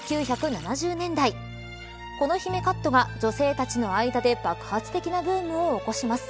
１９７０年代この姫カットは、女性たちの間で爆発的なブームを起こします。